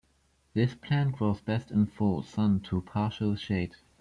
This plant grows best in full sun to partial shade.